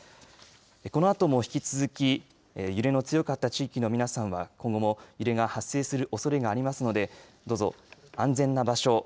このあとも引き続き揺れの強かった地域の皆さんは今後も揺れが発生するおそれがありますのでどうぞ安全な場所。